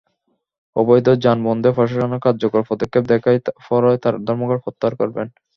অবৈধ যান বন্ধে প্রশাসনের কার্যকর পদক্ষেপ দেখার পরই তাঁরা ধর্মঘট প্রত্যাহার করবেন।